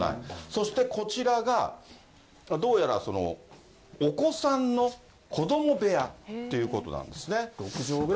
そしてこちらが、どうやらお子さんの子ども部屋ということなんですね。